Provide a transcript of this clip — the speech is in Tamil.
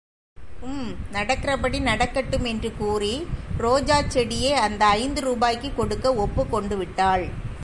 உம், நடக்கிறபடி நடக்கட்டும் என்று கூறி ரோஜாச் செடியை அந்த ஐந்து ரூபாய்க்குக் கொடுக்க ஒப்புக்கொண்டு விட்டாள்.